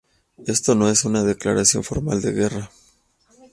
Esto no es una declaración formal de guerra.